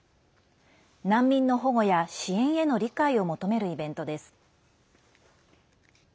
難民の保護や支援への理解を求めるイベントです。